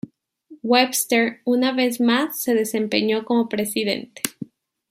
Webster una vez más se desempeñó como Presidente.